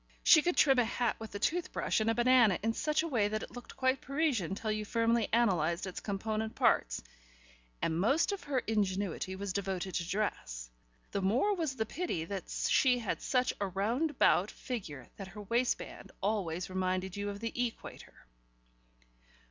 She could trim a hat with a tooth brush and a banana in such a way that it looked quite Parisian till you firmly analysed its component parts, and most of her ingenuity was devoted to dress: the more was the pity that she had such a round about figure that her waistband always reminded you of the equator.